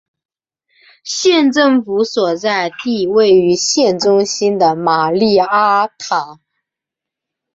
县政府所在地位于县中心的玛丽埃塔。